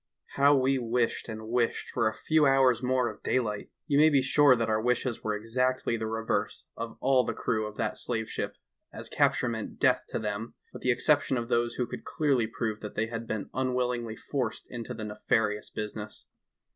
How we wished and wished for a few hours more of daylight ! You may be sure that our wishes were exactly the reverse of all the crew of that slave ship, as capture meant death to them, with the exception of those who could clearly prove that they had been unwillingly forced into the nefarious business.